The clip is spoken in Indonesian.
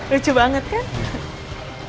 lucu banget kan